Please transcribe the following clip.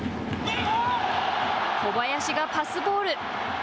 小林がパスボール。